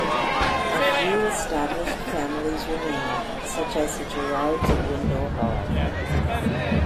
A few established families remained, such as the Gerards of Windle Hall.